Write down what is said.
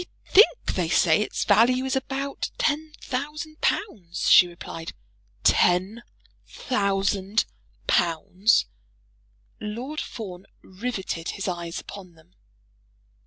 "I think they say its value is about ten thousand pounds," she replied. "Ten thousand pounds!" Lord Fawn riveted his eyes upon them.